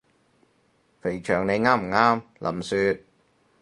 肥腸你啱唔啱？林雪？